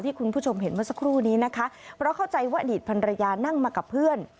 คุณผู้ชมเห็นเมื่อสักครู่นี้นะคะเพราะเข้าใจว่าอดีตพันรยานั่งมากับเพื่อน